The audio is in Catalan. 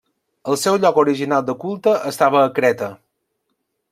El seu lloc original de culte estava a Creta.